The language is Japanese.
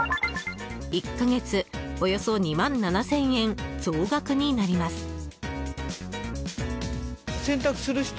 １か月およそ２万７０００円増額になります。